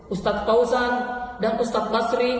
ustaz pausan dan ustaz basri